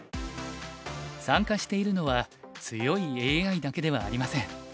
参加しているのは強いＡＩだけではありません。